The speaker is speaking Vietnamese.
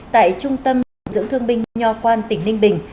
tại trung tâm điều dưỡng thương binh nho quan tỉnh ninh bình